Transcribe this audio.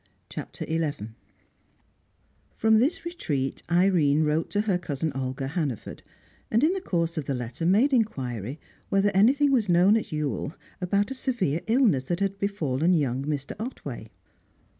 CHAPTER XI From this retreat, Irene wrote to her cousin Olga Hannaford, and in the course of the letter made inquiry whether anything was known at Ewell about a severe illness that had befallen young Mr. Otway.